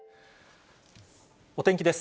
お天気です。